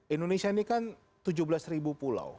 indonesia ini kan tujuh belas ribu pulau